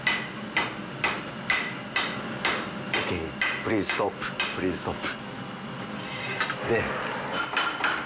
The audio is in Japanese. プリーズストッププリーズストップ。